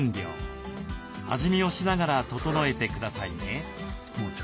味見をしながら調えてくださいね。